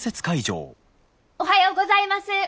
おはようございます。